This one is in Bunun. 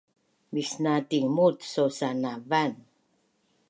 Misna tingmut sausanavan